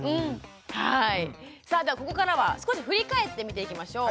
さあではここからは少し振り返って見ていきましょう。